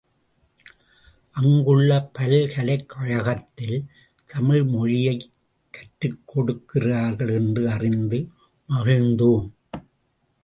அங்குள்ள பல்கலைக் கழகத்தில், தமிழ் மொழியைக் கற்றுக்கொடுக்கிறார்கள் என்று அறிந்து மகிழ்ந்தோம்.